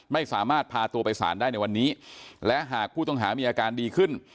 ไม่สามารถพาตัวไปสารได้ในวันนี้และหากผู้ต้องหามีอาการดีขึ้น